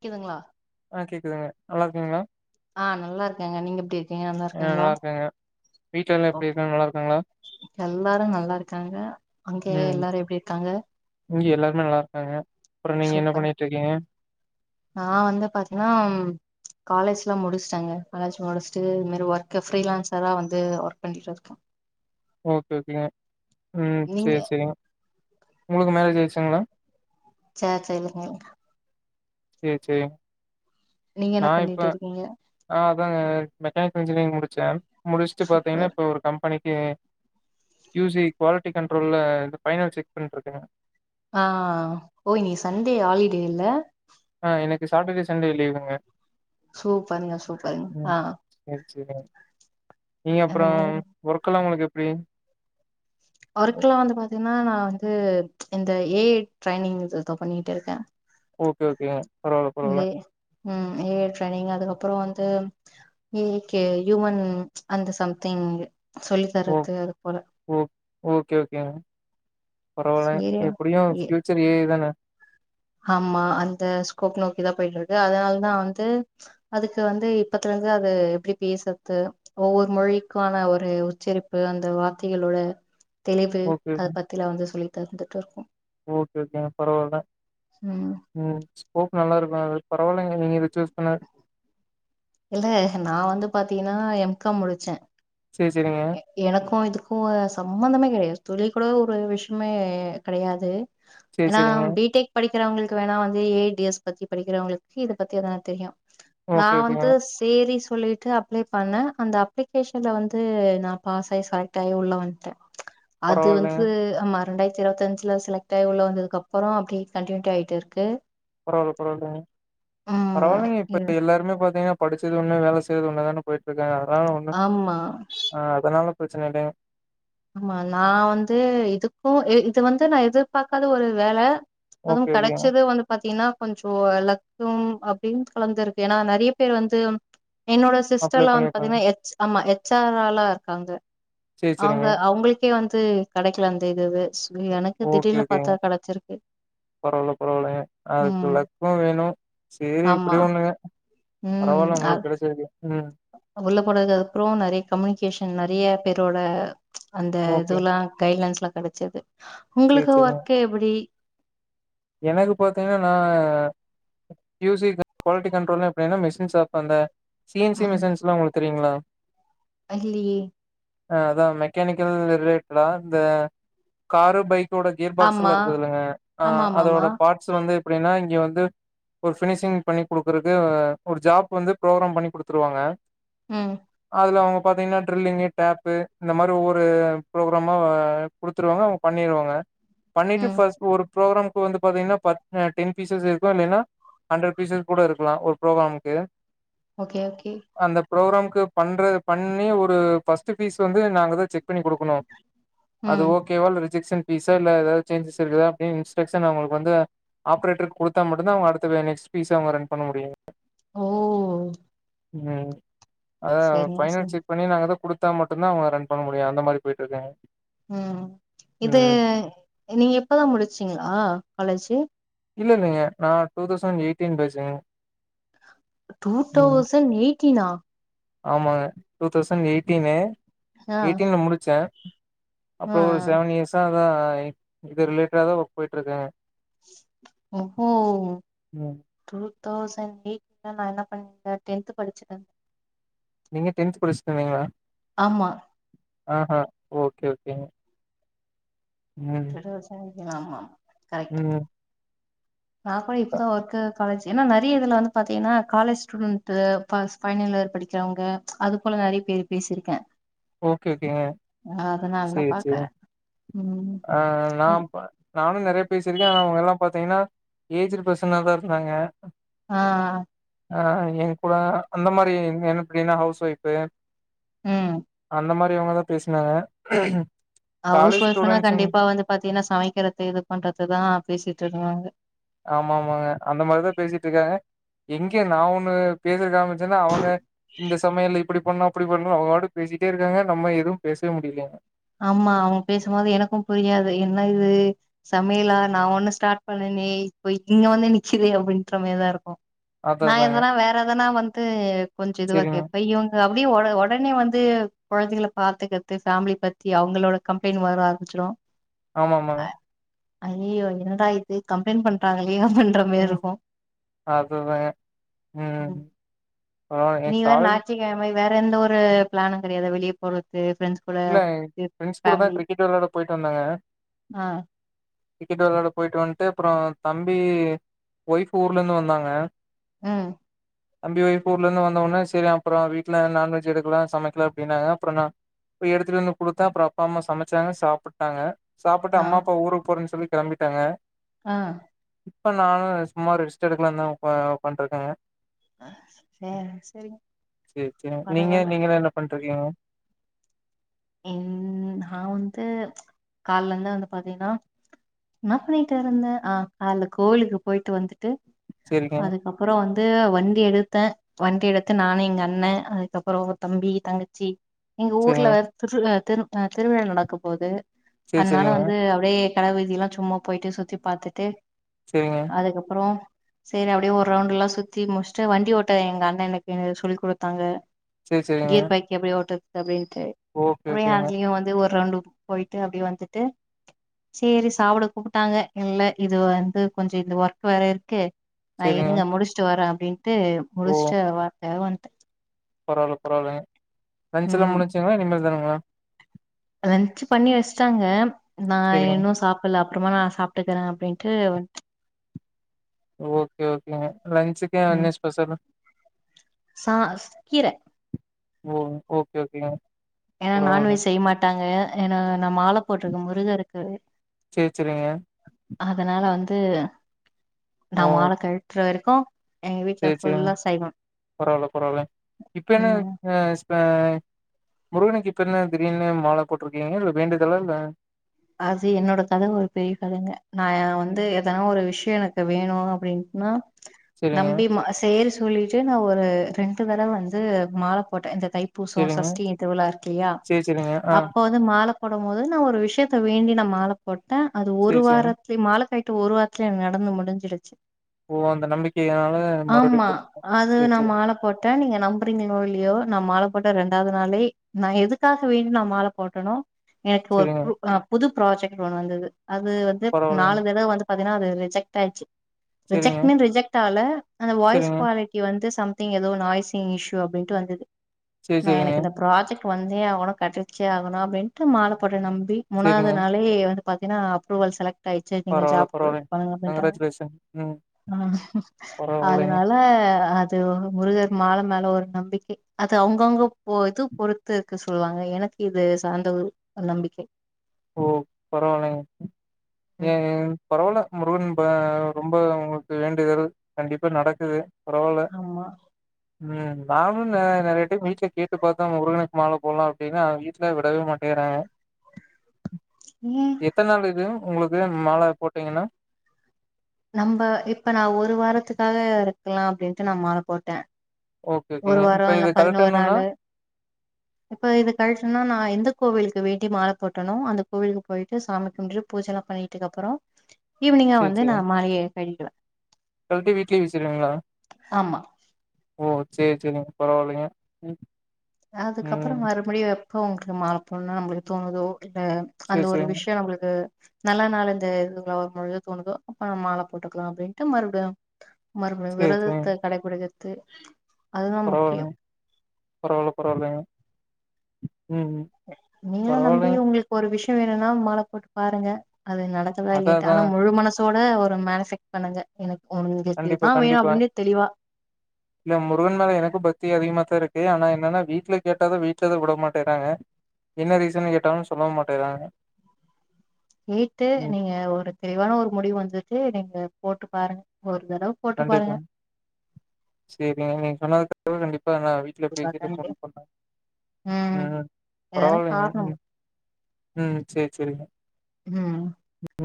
கேக்குதுங்களா ஆஹ் கேக்குதுங்க நல்லா இருக்கிங்களா ஆஹ் நல்லா இருக்கங்க நீங்க எப்டி இருக்கீங்க நல்லா ஆ இருக்கீங்ளா இருக்காங்க. வீட்ல எல்லா எப்டி இருக்காங்க நல்லா இருக்காங்களா? எல்லாரு நல்லா இருக்காங்க அங்கே ம் எல்லாரு எப்டி இருக்காங்க இங்க எல்லாருமே நல்லா இருக்காங்க அப்பற நீங்க என்ன சூப்பர் பண்ணிட்டு இருக்கீங்க நா வந்து பாத்தீங்னா காலேஜ்லா முடிச்டங்க காலேஜ் முடிச்சுட்டு இது மாரி ஒர்க்க ஃப்ரீ லான்ச் தா வந்து ஒர்க் பண்ணிட்டு இருக்கே ஓகே ஓகேங்க ம் நீங்க சேர் சேரிங்க உங்ளுக்கு மேரேஜ் ஆகிடுச்சுங்களா சே சே இல்லங்க சேரி சேரி நீங்க என்ன பண்ணிட்டு இருக்கீங்க ஆஹ் அதாங்க மெக்கானிக்கல் இன்ஜினியரிங் முடிச்சே முடிச்சுட்டு பாத்தீங்கன்னா சூப்பர் இப்ப ஒரு கம்பனி பனிக்கு கியுசி குவாலிட்டி கண்ட்ரோல பைனல் செக் பண்ணிருக்கங்க ஆன் ஓ இனிக் சண்டே ஹாலிடே இல்ல ஆன் எனக்கு சாட்டர்டே சண்டே லீவுங்க சூப்பர்ங்க சூப்பர்ங்க ஆன் செரி செரி நீங்க அந்த அப்றோம் மாரி ஒர்க்கல்லா உங்களுக்கு எப்டி ஒர்க்கலா வந்து பாத்தீங்கன்னா நா வந்து இந்த ஏஐ ட்ரைனிங் இது பண்ணிட்டு இருக்கே ஓகே ஓகேங்க பரவால இந்த பரவால ம் ஏ ஐ ட்ரைனிங் அதுகப்றோ வந்து ஏ ஐ க்கு ஹுயூமன் அந்த சம்திங் சொல்லி ஓ தரது அது போல ஓ ஓகே ஓகேங்க பரவால்ல சேரி எப்டியுன் எ ஃப்யூச்சர் ஏ ஐ தான ஆமா அந்த ஸ்கோப் நோக்கிதா போயிட்டு இருக்கு அதனாலதா வந்து அதுக்கு வந்து இப்பத்துல இந்து அது எப்டி பேசற்து ஓவ்வொரு மொழிக்கான ஒரு உச்சரிப்பு அந்த வார்த்தைகளோட தெளிவு ஓகே அத ஓகே. பத்திலா வந்து சொல்லி தந்துட்டு இருக்கோன் ஓகே ஓகேங்க பரவால்ல ம் ம் ஸ்கோப் நல்லா இருக்கு அது பரவாயில்லங்க நீங்க இத சூஸ் பண்ண இல்ல நா வந்து பாத்தீங்கனா எம் காம் முடிச்சேன் செரி செரிங்க எனக்குன் இதுக்கு சம்மந்தமே கெடையாது தொழில் கூட ஒரு விஷ்யமே கெடையாது சரி ஏனா சரிங்க. பி டெக் படிக்கிறவங்களுக்கு வேணா வந்து ஏ ஐ டி எஸ் பத்தி படிக்கிறவங்களுக்கு இத பத்தி எதனா தெரியு நா ஓகே ஓகேங்க. வந்து சேரி சொல்லிட்டு அப்ளை பண்ண அந்த அப்ளிகேஷன்ல வந்து நா பாஸ் ஆயி செலக்ட் ஆயி உள்ள வண்ட்ட அது பரவால்லங்க. வந்து ஆமா இரண்டாயிரத்தி இருவத்தஞ்சி ல செலக்ட் ஆய் உள்ள வந்ததுக்கு அப்புறோ அப்டி கண்டியூட்டி ஆயிட்டு இருக்கு பரவாயில்ல பரவில்லங்க ம் பரவாயில்லைங்க இப்ப இது எல்லாருமே பாத்தீங்கனா படிச்சது ஒன்னு வேல செய்றது ஒன்னுல தானே போயிட்டு இருக்காங்க அதனால ஒன்னு ஆமா அதனால ப்ரச்சனை இல்லைங்க ஆமா நா வந்து இதுக்குன் இது வந்து நா எதிர்பாக்காத ஒரு வேல அதுவு ஓகே ஓகேங்க. கெடைச்சது வந்து பாத்தீங்கனா கொஞ்சோ லக்கும் அப்டின் கலந்துருக்கு ஏனா நறிய பேர் வந்து என்னோட அப்ளை சிஸ்டர்ல வந்து பண்ணிருக்கங்க. பாத்தீங்கனா எச் ஆமா எச் ஆர் ஆலா இருக்காங்க சரி சரிங்க. அவ்ங்க அவுங்ளுக்கே வந்து கெடைக்கல அந்த இதுவு சொ எனக்கு திடீர்னு பாத்தா கெடைச்சிருக்கு பரவாயில்ல பரவாயில்ங்க அதுக்கு ம். லக்கும் வேணுன் செரி ஆமா. எப்டியோ ஒண்ணுங்க ம். பரவாயில்ல அ உங்களுக்கு கெடச்சிருக்கு ம் உள்ள போனது அதுக் அப்புறோ நறிய கம்யூனிகேஷன் நறிய பேரோட அந்த ஓகே. இதுல்லா கைட்லைன்ஸ்லா கெடைச்சிருக்கு சேரி உங்குளுக்கு சேரிங்க ஒர்க்கு எப்டி எனக்கு பாத்தீங்கனா நா யூசி குவாலிட்டி கண்ட்ரோல்ல எப்டின்னா மெஷின்ஸ் ஆப் அந்த சிஎன்சி மிஷின்ஸ்லா உங்களுக்கு தெரியுங்களா அ இல்லியே அ அதா மெக்கானிக்கல் ரிலேட்டடா இந்த காரு பைக் கோட கியர் ஆமா. பாக்ஸ்லா இருக்குது இல்லங்க அ ஆமாமாமா. அதோட பார்ட்ஸ் வந்து எப்டினா இங்க வந்து ஒரு ஃபினிஷிங் பண்ணி குடுக்குறது ஒரு ஜாப் வந்து ப்ரோக்ராம் பண்ணி குடுத்துருவாங்க ம் அதுல அவுங்க பாத்திங்கனா ட்ரில்லிங்கு டேப்பு இந்த மாரி ஒவ்வொரு ப்ரோக்ராமா குடுத்துருவாங்க அவங்க பண்ணிருவாங்க பண்ணிட்டு ம். ஃபர்ஸ்ட் ஒரு ப்ரோக்ராம் இப்போ வந்து பாத்திங்கனா பத் டென் பீசஸ் இருக்கும் இல்லைன்னா ஹண்ட்ரட் பீசஸ் கூட இருக்கலா ஒரு ப்ரோக்ராமுக்கு ஓகே ஓகே அந்த ப்ரோக்ராமுக்கு பண்ற பண்ணி ஒரு ஃபர்ஸ்ட் பீஸ் வந்து நாங்கதா செக் பண்ணி குடுக்குணு அது ம். ஓகேவா ரிஜெக்ஷன் பீஸா இல்ல ஏதாவது சேஞ்சஸ் இருக்குதா அப்டி டெஸ்டன் அவுங்களுக்கு வந்து ஆப்ரேட்டரு குடுத்தா மட்டுதா அவுங்க அடுத்த நெக்ஸ்ட் பீஸ அவுங்க ரன் பண்ண முடியே ஓ! ம் அத சரிங்க, சரி. ஃபைனாசீட் பண்ணி நாங்க எதா குடுத்த மாட்டுதா அவுங்க ரன் பண்ண முடிய அந்த மாரி போயிட்டு இருக்குங்க ம் இது நீங்க இப்பதா முடிச்சீங்களா காலேஜ் இல்ல இல்லைங்க நா டூ தௌசண்ட் எயிட்டீன் பேஜ்சீங்க டூ தௌசண்ட் எயிட்டீனா ஆமாங்க டூ தௌசண்ட் எயிட்டீனு ஆ எயிட்டீன்ல முடிச்ச ஆ அப்பறோ ஒரு செவன் இயர்சா தா இது ரிலேட்ட தா ஒர்க் போயிட்டுருக்க ஓஹோ ம் டூ தௌசண்ட் எயிட்ல நா என்ன பண்ணியிந்தே டென்த் படிச்சிட்ருந்த நீங்க டென்த் படிச்சிட்டு இருந்திங்களா ஆமா ஆஹா ஓகே ஓகேங்க ம் விவசாயிகளா ஆமா ஆமா கரெக்ட் ம் நா கூட அ இப்பதா வொர்க்கு காலேஜ் ஏன்னா நறைய இதுல வந்து பாத்திங்கனா காலேஜ் ஸ்டுடெண்ட்டு பஸ் ஃபைனிலியர் படிக்கிறவங்க அது போல நறைய பேரு பேசிருக்கே ஓகே ஓகேங்க. நா அதனால தா சரி பாக்க சரிங்க. ம் ஆ நா ம். நானு நறைய பேசியிருக்க ஆனா அவுங்க எல்லா பாத்திங்கன்னா ஏஜிட்டு பர்சனாதா இருந்தாங்க ஆ ஆ ஆ எங்கூட அந்த மாரி எப்டின்னா ஹவுஸ் ஒய்ஃபு ம் அந்த மாரி அவுங்கதா பேசுனாங்க ஹவுஸ் ஒய்ஃபுனா கண்டிப்பா வந்து பாத்தீங்கன்னா சமைக்கிறது இது பண்றதுதா பேசிட்டுருக்குவாங்க ஆமா ஆமாங்க அந்த மாரிதா பேசிட்டுருக்காங்க எங்கே நா ஒண்ணு பேசருக்காதுமாட் துன்னா அவுங்க இந்த சமையல் இப் இப்படி பண்ணணு அப்படி பண்ணணு அவுங்கப்பாட்டுக்கு பேசிட்டேருக்காங்க நம்ம எதுவுமா பேசவே முடியல ஆமா அவுங்க பேசும்போது எனக்கும் புரியாது என்ன இது சமையலா நா ஒண்ணு ஸ்டார்ட் பண்ணனே இப்ப இங்க வந்து நிச்சிதே அப்டின்ற மாரிதாருக்கு அத நா அதாங்க. எதனா வேற எதனா வந்து கொஞ்சோ சரிங்க. இதுவாக்கேப்பே இவுக் க அது அப்படியே ஒடனே வந்து கொழந்தைகளை பாத்துக்கத்து ஃபேமிலி பத் தி அவுங்களோட கம்ப்ளெயிண்ட் வர ஆரம்பிச்சிடு ஆமா ஆமாங்க அய்யயோ என்னடா இது கம்ப்ளெயிண்ட் பண்டாங்களே அவுங்க ம் அதுதாங்க ம் ஆ எங் இனி காலேஜ் [unintelligible] வேற எந்த ஒரு பிளானு கீடையாதா வெளியே போறது ஃப்ரெண்ட்ஸ் கூட இல்ல ஃப்ரெண்ட்ஸ் கூட தா ஃபேமிலி கிரிக்கெட் வெளையாட போயிட்டு வந்தங்க ஆ கிரிக்கெட் வெள்ளாட போயிட்டு வந்துட்டு அப்புறோ தம்பி ஒய்ஃப் ஊர்ல இருந்து வந்தாங்க ம் தம்பி ஓய்ஃப் ஊர்ல இருந்து வந்தோன செரி அப்பறொ வீட்டுல நான்வெஜ் எடுக்கலா சமைக்கலா அப்டினாங்க அப்புறொ நா போய் எடுத்துட்டு வந்து குடுத்தா அப்பறொ அப்பா அம்மா சமைச்சாங்க சாப்புட்டாங்க சாப்புட்டு ஆ அம்மா அப்பா ஊருக்கு போறேன்னு சொல்லி கெளம்பிட்டாங்க அ இப்ப நானு சும்மா ரெஸ்ட் எடுக்கலாந் தா உக்கா உக்காந்ட் இருக்கேங்க [unintelligible] சேரி சேரிங்க நீங்க பரவால்ல நீங்கலா என்ன பண்ட்ருக்கீங்க ம் நா வந்து கால்ல இருந்து வந்து பாத்திங்கன்னா என்ன பண்ணிட்டு இருந்தே ஆ கால்ல கோயிலுக்கு போயிட்டு வந்துட்டு சேரிங்க அதுக்கப் பறோ வந்து வண்டி எடுத்தே வண்டி எடுத்து நானு எங்க அண்ணே அதுக்கப்பறொ தம்பி தங்க ச்சி எங்க ஊர்ல சேரிங்க திருவ்லா திரு திருவிழா நடக்க போது சேரி அதுனால சேரிங்க வந்து அப்டியே கட வீதியெல்லா சும்மா போயிட்டு சுத்தி பாத்துட்டு சேரிங்க அதுக்கப்பறோ சேரி அப்டியே ஒரு ரவுண்ட் எல்லா சுத்தி முட்ச்ட்டு வண்டி ஓட்ட எங்க அண்ணே எனக்கு சொல்லி குடுத்தாங்க சேரி சேரிங்க கீர் பைக் எப்டி ஓட்றது அப்டின்ட்டு ஓகே அப்டியே ஓகேங்க அதுலியு வந்து ஒரு ரவுண்டு போயிட்டு அப்டியே வந்துட்டு சேரி சாப்புட கூப்புட்டாங்க இல்ல இது வந்து கொஞ்சொ இந்த ஒர்க் வேற இருக்கு நா சேரிங்க இருங்க முடுச்ட்டு வறே அப்டின்ட்டு ஓ முடுச்ட்டு [unintelligible] வந் பரவால்ல பரவால்லெங்க லன்ஞ் எல்லா ம் முடுன்ச்சிங்ளா இனிமேல் தானுங்ளா லன்ச்சு பண்ணி வெச்டாங்க நா சேரிங்க இன்னு சாப் புட்ல அப்றமா நா சாப்ட்டுக்குறே அப்டின்ட்டு வந் ஓகே ஓகேங்க லன்ச்சுக்கு ம் என்ன ஸ்பெஷலு சா கீர ஓ ஓகே ஓகேங்க ஏனா பரவால்ல நான்வெஜ் செய்ய மாட்டாங்க ஏனா நா மால போட்ருக்க முருகருக்கு சேரி சேரிங்க அதனால வந்து நா ஓ மால கழட்ற வர்க்கு சேரி சேரிங்க பரவால்ல பரவால்ல இப்ப என்ன ம் அ இப்ப முருகனுக்கு இப்ப என்ன திடீர்னு மால போட்ருக்கீங்க இல்ல வேண்டுதலா இல்ல அது என்னோட கத ஒரு பெரிய கதெங்க நா வந்து எதா ஒரு விஷ்யொ எனக்கு வேனு அப்டின்னா சேரிங்க நம்பி சேரி சொல்லிட்டு நா ஒரு ரெண்டு தட வந்து மால போட்டே இந்த தை பூசொ சேரிங்க சஷ்டிய திருவுழா இருக்கில்யா சேரி சேரிங்க ஆ அப்போ மால போடம் போது நா ஒரு விஷ்யத்த வேண்டி நா மால போட்டே அது ஒரு சேரி சேரிங்க வாரத் [unintelligible] மால கழட்ற ஒரு வாரத்லே என்க் நடந்து முடுஞ்சிருச்சு ஓ அந்த நம்பிக்கையினால மறுபடியு ஆமா போட்ருக்க அது சேரி நா சேரிங்க மால போட் ட்ட நீங்க நம்புறீங்களோ இல்லையோ நா மால போட்ட ரெண்டாது நாளே நா எதுக்காக வேண்டி நா மால போட்டனோ எனக்கு ஒரு சேரிங்க பு புது ப்ராஜெக்ட் ஒன்னு வந்தது அது வந்து பரவால்லங்க நாலு தடவ வந்து பாத்திங்னா அது ரிஜெக்ட் ஆய்ர்சு சேரிங்க ரிஜெக்ட்னு ரிஜெக்ட் ஆகல அந்த வாய்ஸ் சேரிங்க குவாலிட்டி டிஸவந்து சம்திங் ஏதோ நாய்ஸ்ஸிங் இஷ்யூ அப்டின்ட்டு வந்தது சேரி நா சேரிங்க எனக்கு இந்த ப்ராஜெக்ட் வந்தே ஆகணு கெடச்சே ஆகணு அப்டின்ட்டு மால போட்டெ நம்பி முனாது சேரிங்க நாளே எ வந்து பாத்தினா அப்ரூவல் செலக்ட் ஆய்ச்சு நீங்க பரவால்ல ஜாப் பரவால்லைங்க பண்ணுங்க அப்டின்டாங்க கங்ராஜுலேஷன் ம் ம் பரவால்லைங்க அதுனால ஆ அது முருகர் மால மேல ஒரு நம்பிக்கை அது அவுங்கவுங்க இது பொறுத் த்து இருக்கு சொல்லுவாங்க எனக்கு இது சார்ந்த ஒரு நம்பிக்கை ஓ பரவால்லங்க ஏ ம் பரவால்ல முருகன் இப்ப ரொம்ப உங்களுக்கு வேண்டுதல் கண்டிப்பா நடக்குது பரவால்ல ஆமா ம் நானும் நெறையா டைம் வீட்ல கேட்டு பாத்தே முருகனுக்கு மால போட்லா அப்டினு ஆனா வீட்ல விடவே மாட்டேங்கிறாங்க ம் எத்தனநாள் இது உங்களுக்கு மால போட்டீங்கன்னா நம்ப இப்ப நா ஒரு வாரத்துக்காக இருக்கலா அப்டின்டு நா மால போட்டே ஓ ஒரு வாரோ இல்ல பதினோரு நாளு இப்ப இது கழட்டுனா நா எந்த கோவிலுக்கு வேண்டி மால போட்டேனோ அந்த கோவிலுக்கு போயிட்டு சாமி கும்பிட்டு பூஜெல்லா பண்ணிட்டுக்கு அப்புறோ ஈவினிங்கா சரி வந்து நா சரிங்க. மாலய கழட்டிருவே கழட்டி வீட்லயே வெச்சிருவீங்களா ஆமா ஓ சேரி சேரிங்க பரவாயில்லைங்க ம் அதுக்கப்புறோ ம் மறுபடியு எப்ப உங்களுக்கு மால போட்ணும்னு நம்மளுக்கு தோணுதோ இல்ல அந்த சரி ஒரு சரிங்க. விஷ்யோ நம்ளுக்கு நல்ல நாள் இந்த இது எல்லா வரும் பொழுது தோணுதோ ஆ மால போட்டுக்கலாம் அப்டின்டு மறுபடியு மறுபடியு சரி சரிங்க. விரதத்த கடைப்பிடிக்கிற்து பரவால்லங்க பரவால்ல பரவால்லங்க ம் நீங்களு நம்பி பரவாயில்லங்க. உங்களுக்கு ஒரு விஷ்யோ வேணும்னா மால போட்டு பாருங்க அது நடக் அதா அதான் [unintelligible] ஆனா அதான். முழு மனசோட ஒரு மேனுஃபெக்ட் பண்ணுங்க எனக்கு உங்களுக்கு கண்டிப்பா இதுதா வேணு கண்டிப்பா. அப்டின்னு தெளிவா இல்ல முருகன் மேல எனக்கு பக்தி அதிகமா தா இருக்கு ஆனா என்னனா வீட்ல கேட்டாதா வீட்டு்லதா விட மாட்டேறாங்க என்ன ரீசன் கேட்டாலு சொல்ல மாட்டேறாங்க கேட்டு ம் நீங்க ஒரு தெளிவான ஒரு முடிவு வந்துட்டு நீங்க போட்டு பாருங்க ஒரு தடவ போட்டு பாருங்க கண்டிப்பாங்க சேரிங்க நீ சொன்னதுக்காகவே கண்டிப்பா நா வீட் ல கண்டிப்பா பேசிட்டு கண்டிப்பா. போன் பண்ண ம் எதனா பரவால்லங்க காரணம் ம் சேர் சேரிங்க ம்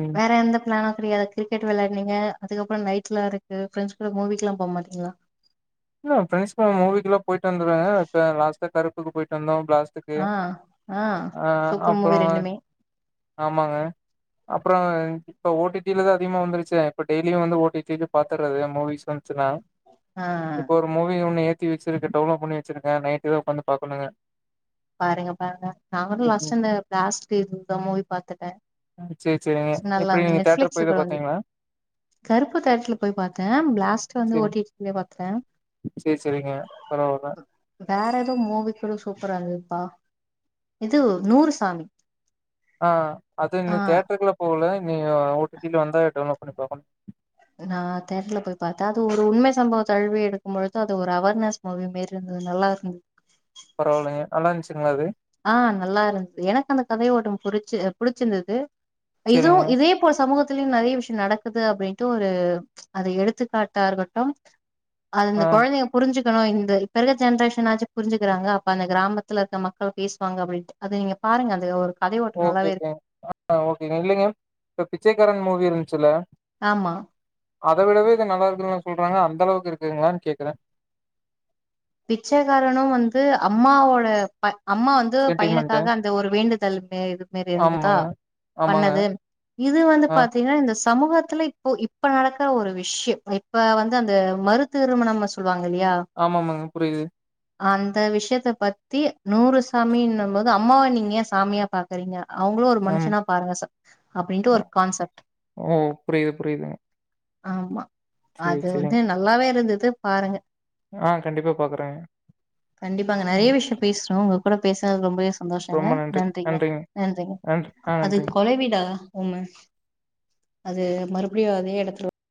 ம் வேற எந்த [unintelligible] கிரிக்கெட் வெளையாட்னீங்க அதுக்கப்றோ நைட்லா இருக்கு ஃப்ரெண்ட்ஸ் கூட மூவிக்கலா போக மாட்டீங்களா இல்ல ஃப்ரண்ட்ஸ் கூட மூவிக்கெல்லா போயிட்டு வந்துருவே இப்ப லாஸ்டா கருப்புக்கு போயிட்டு வந்தோ ப்ளாஸ்ட்டுக் ஆ ஆ சூப்பர் மூவி அப்றோங்க ரெண்டுமே ஆமாங்க அப்றோ ங் இப்ப ஓடி டி ல தா அதிகமா வந்துருச்சே இப்ப டெய்லியு வந்து ஓ டி டி லயே பாத்துறது மூவிஸ் வந்துச்சுன்னா ஆ இப்போ ஒரு மூவி ஒன்னு ஏத்தி வச்சிருக்கு டவுன்லோட் பண்ணி வச்சிருக்கே நைட்டு தா உக்காந்து பாக்கணுங்க பாருங்க பாருங்க நாங்களு லாஸ்ட் ம் அந்த பிளாஸ்ட் மூவி பாத்துட்டே சேர் சேரிங்க நல்லா எப்டி இந்த நீங்க தியேட்டர் நெட்ஃபிளிக்ஸ்ல போயி தா கூட வந்து பாத்தீங்களா கருப்பு தியேட்டர்ல போயி பாத்தே பிளாஸ்ட்டு வந்து ஓ டி டி லே பாத்துட்டே சேர் சேரிங்க பரவால்ல வேற எதோ மூவிக்கூட சூப்ராயிந்ததுபா இது நூறு சாமி ஆ அது ஆ இன்னு தேட்ருக்குள்ள போகல இன்னி ஓ டி டி ல வந்தா டவுன்லோட் பண்ணிப்பே நா தேட்ருல போய் பாத்தே அது ஒரு உண்மை சம்பவத்தழுவி எடுக்கும் பொழுது அது ஒரு அவார்னஸ் மூவி மாரி இருந்துது நல்லா இருந்தது பரவாயில்லங்க நல்லா இருந்துச்சிங்ளா அது ஆ நல்லா இருந்துது எனக்கு அந்த கதையோட புடிச்சு புடிச்சிருந்தது இதுவு சேரிங்க இதே இப்போ சமூகத்திலியோ நெறையா விஷியோ நடக்குது அப்டின்டு ஒரு அது எடுத்துக்காட்டா இருக்கட்டு அது ஆ அந்த கொழந்தைங்க புரிஞ்சுக்கணு இந்த இப்ப இருக்க ஜென்ரேஷனாச்சி புரிஞ்சிக்குறாங்க அப்ப அந்த கிராமத்துல இருக்க மக் க பேசுவாங்க அப்டின்டு அத நீங்க பாருங்க அது ஒரு கதையோட்டோ ஓகே நல்லாவே ஓகே இருக்கு ஆ ஓக்கேங்க இல்லங்க இப்ப பிச்சைக்காரன் மூவி இருந்ச்சில்ல ஆமா அத விடவே இது நல்லா இருக்குனு சொல்றாங்க அந்தளவுக் இருக்குங்ளான் கேக்றே பிச்சைக்காரனு வந்து அம்மாவோட ப அம்மா வ வந்து சென்டிமெண்ட்டு பையனுக்காக அந்த ஒரு வேண்டுதல் இதுமே இதுமேரி இருந்துதா ஆமாங்க ஆமாங்க பண்ணது இது வந்து ஆ பாத்தீங்னா இந்த ஸ் சமூகத்துலே இப்போ இப்ப நடக்குற ஒரு விஷ்யோ இப்ப வந்து அந்த மறு திருமணம் சொல்லுவாங்க இல்லையா ஆமாமாங்க புரியுது அந்த விஷ்யத்த பத்தி நூறு சாமின்னும் போது அம்மாவ நீங்க ஏ சாமிய பாக் குரிங்க அவுங்களு ஒரு ஆம் மனுஷனா பாருங்க ச அப்டின்ட்டு ஒரு கான்செப்ட் ஓ புரியுது புரியுதுங்க ஆமா சேரி அது சேரிங்க வந்து நல்லாவே இருந்துது பாருங்க ஆ கண்டிப்பா பாக்குறேங்க கண்டிப்பாங்க நெறைய ம், விஷ்யோ பேசுனோ உங்க கூட பேசுனது ரொம்பவே சந்தோஷங்க ரொம்ப நன்றி நன்றிங்க நன்றிங்க நன்றி ஆ அது நன்றிங்க கொலைவீடா உம அது மறுபடியு அதே எடத்துல